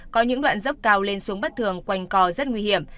có những đoạn dốc cao lên xuống bất thường quanh co rất nguy hiểm